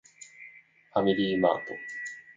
ファミリーマート